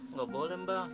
nggak boleh mbak